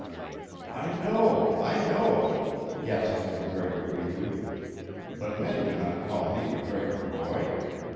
"I know, I know," gasped MacGregor weakly. "But men do not call me MacGregor Roy.